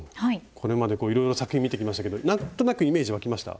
これまでいろいろと作品見てきましたけど何となくイメージわきました？